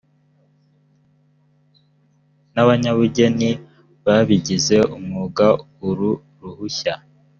n abanyabugeni babigize umwuga uru ruhushya